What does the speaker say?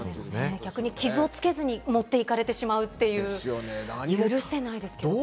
逆に傷をつけずに持っていかれてしまう、許せないですよね。